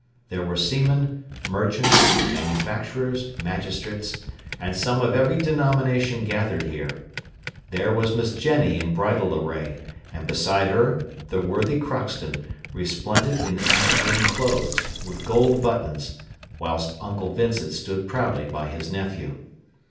There were seamen, merchants, manufacturers, magistrates, and some of every denomination gathered here. There was Miss Jenny in bridal array and beside her the worthy Crockston, resplendent in apple green clothes, with gold buttons, whilst Uncle Vincent stood proudly by his nephew.